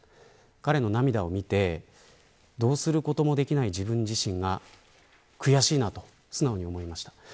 彼の涙を見てどうすることもできない自分自身が悔しいなと素直に思いました。